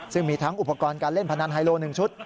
ซึ่งมีทั้งอุปกรณ์การเล่นพนันไฮโล๑ชุด